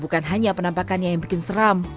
bukan hanya penampakannya yang bikin seram